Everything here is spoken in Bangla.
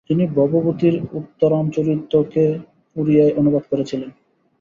তিনি ভবভূতির উত্তররামচরিত কে ওড়িয়ায় অনুবাদ করেছিলেন।